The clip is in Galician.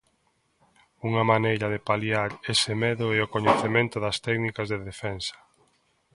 Unha maneira de paliar ese medo é o coñecemento das técnicas de defensa.